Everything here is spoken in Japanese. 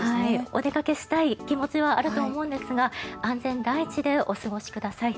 お出かけしたい気持ちはあると思うんですが安全第一でお過ごしください。